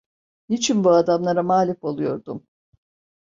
Niçin bu adamlara mağlup oluyordum?